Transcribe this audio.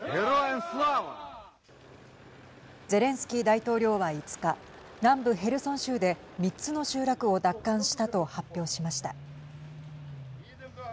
ゼレンスキー大統領は、５日南部ヘルソン州で３つの集落を奪還したと発表しました。